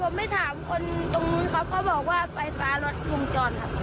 เออผมไม่ถามคนตรงนี้ครับก็บอกว่าไฟฟ้ารถภูมิจรครับ